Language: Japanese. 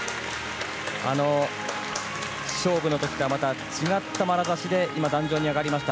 勝負の時とはまた違ったまなざしで壇上に上がりました。